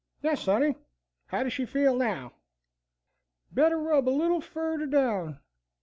"Yes, Sonny. How does she feel now?" "Better rub a little furder down.